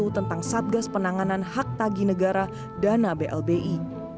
tentang satgas penanganan hak tagi negara dana blbi